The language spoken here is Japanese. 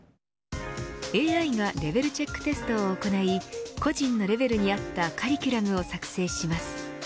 ＡＩがレベルチェックテストを行い個人のレベルに合ったカリキュラムを作成します。